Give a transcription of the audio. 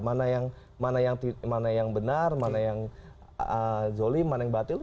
mana yang benar mana yang zolim mana yang batil